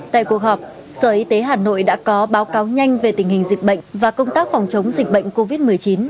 tại cuộc họp sở y tế hà nội đã có báo cáo nhanh về tình hình dịch bệnh và công tác phòng chống dịch bệnh covid một mươi chín